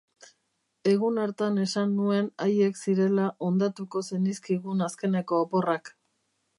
Egun hartan esan nuen haiek zirela hondatuko zenizkigun azkeneko oporrak.